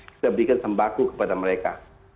kita berikan sembako kepada mereka